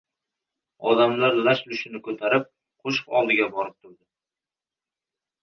Odamlar lash-lushini ko‘tarib, qo‘shiq oldiga borib turdi.